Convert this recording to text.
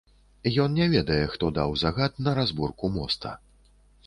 Ён не ведае, хто даў загад на разборку моста.